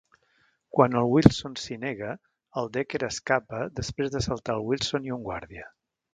Quan el Wilson s'hi nega, el Decker escapa després d'assaltar el Wilson i un guàrdia.